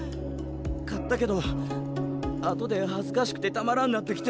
勝ったけど後で恥ずかしくてたまらんなってきて。